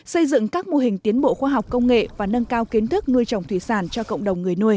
xây dựng các mô hình tiến bộ khoa học công nghệ và nâng cao kiến thức nuôi trồng thủy sản cho cộng đồng người nuôi